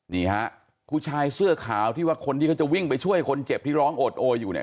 นี่ฮะผู้ชายเสื้อขาวที่ว่าคนที่เขาจะวิ่งไปช่วยคนเจ็บที่ร้องโอดโออยู่เนี่ย